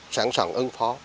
sẵn sàng ưng phó